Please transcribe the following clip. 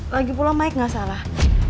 lagi pulang mike gak salah